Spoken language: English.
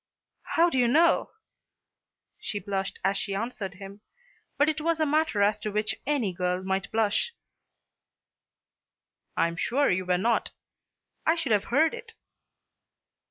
"How do you know?" She blushed as she answered him, but it was a matter as to which any girl might blush. "I am sure you were not. I should have heard it."